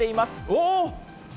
おー！